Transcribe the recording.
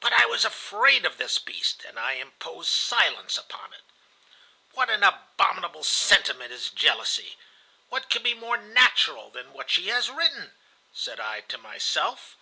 But I was afraid of this beast, and I imposed silence upon it. "What an abominable sentiment is jealousy! 'What could be more natural than what she has written?' said I to myself.